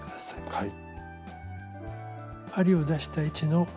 はい。